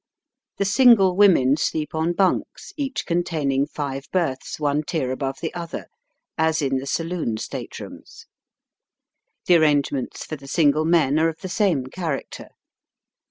The single women sleep on bunks, each containing five berths, one tier above the other, as in the saloon state rooms. The arrangements for the single men are of the same character.